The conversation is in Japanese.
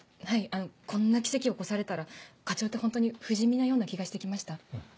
はいこんな奇跡起こされたら課長ってホントに不死身なような気がして来ました。